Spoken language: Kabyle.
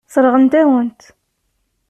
Sseṛɣent-awen-t.